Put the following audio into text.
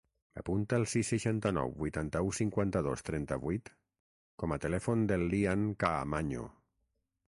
Apunta el sis, seixanta-nou, vuitanta-u, cinquanta-dos, trenta-vuit com a telèfon del Lian Caamaño.